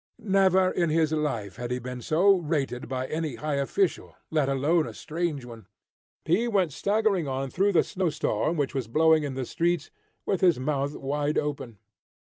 Never in his life had he been so rated by any high official, let alone a strange one. He went staggering on through the snow storm, which was blowing in the streets, with his mouth wide open.